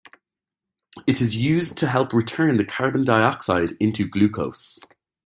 It is used to help turn the carbon dioxide into glucose.